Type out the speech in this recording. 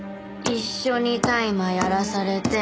一緒に大麻やらされて。